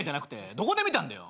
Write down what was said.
どこで見たんだよ。